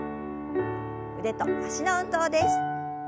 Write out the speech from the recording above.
腕と脚の運動です。